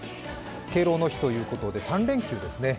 敬老の日ということで３連休ですね